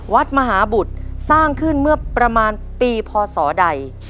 วัดมหาบุตรสร้างขึ้นเมื่อประมาณปีพศใด